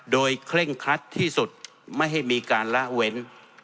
โดยเคร่งครัดที่สุดไม่ให้มีการละเว้น